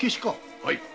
はい。